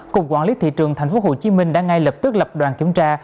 cục quản lý thị trường tp hcm đã ngay lập tức lập đoàn kiểm tra